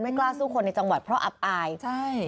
กล้าสู้คนในจังหวัดเพราะอับอายใช่